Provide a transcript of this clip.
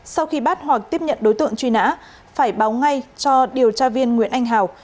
sau khi bắt hoặc tiếp nhận đối tượng truy nã phải báo ngay cho điều tra viên nguyễn anh hào